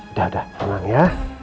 udah udah tenang ya